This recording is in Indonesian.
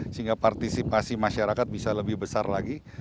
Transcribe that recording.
sehingga partisipasi masyarakat bisa lebih besar lagi